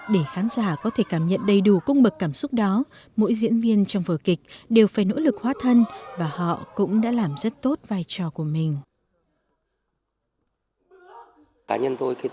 để khán giả có thể cảm nhận đầy đủ cung bậc cảm xúc đó mỗi diễn viên trong vở kịch đều phải nỗ lực hóa thân và họ cũng đã làm rất tốt vai trò của mình